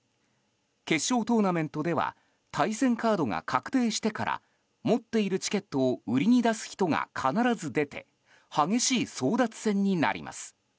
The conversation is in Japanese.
決勝トーナメントでは対戦カードが確定してから持っているチケットを売りに出す人が必ず出て激しい争奪戦になります。